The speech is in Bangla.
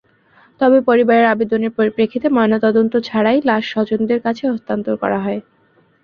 তবে পরিবারের আবেদনের পরিপ্রেক্ষিতে ময়নাতদন্ত ছাড়াই লাশ স্বজনদের কাছে হস্তান্তর করা হয়।